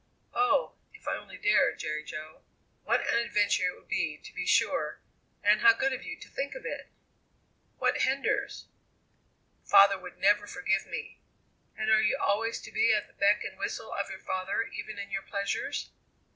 "Oh! if I only dared, Jerry Jo! What an adventure it would be, to be sure. And how good of you to think of it." "What hinders?" "Father would never forgive me!" "And are you always to be at the beck and whistle of your father even in your pleasures?"